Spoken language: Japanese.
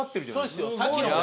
そうですね。